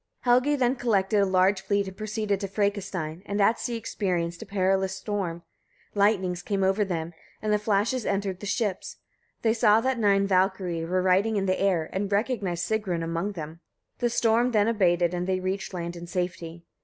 Helgi then collected a large fleet and proceeded to Frekastein, and at sea experienced a perilous storm. Lightnings came over them, and the flashes entered the ships. They saw that nine Valkyriur were riding in the air, and recognized Sigrun among them. The storm then abated and they reached land in safety.